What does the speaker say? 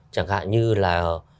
chẳng hạn như là